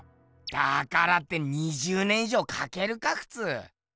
だからって２０年い上かけるかふつう！